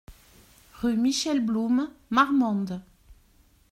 Rue Michel Blum, Marmande